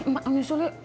mak nyusul yuk